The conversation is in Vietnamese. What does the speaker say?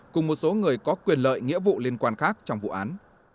cùng một số người có quyền lợi nghĩa vụ liên quan khác trong vụ án